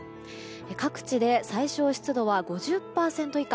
各地で最小湿度は５０％以下。